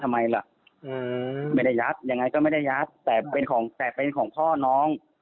ทำไมล่ะไม่ได้ยัดยังไงก็ไม่ได้ยัดแต่เป็นของแต่เป็นของพ่อน้อง